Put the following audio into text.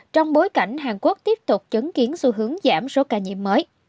trong bối cảnh hàn quốc tiếp tục chứng kiến xu hướng giảm số ca nhiễm mới